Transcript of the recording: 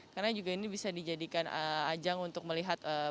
karena juga ini bisa dijadikan ajang untuk melihat